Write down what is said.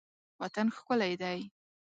وطن ښکلی دی.